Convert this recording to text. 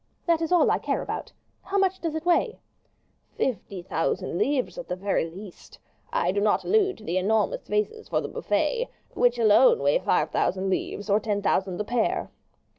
"That is all I care about. How much does it weigh?" "Fifty thousand livres at the very least. I do not allude to the enormous vases for the buffet, which alone weigh five thousand livres, or ten thousand the pair."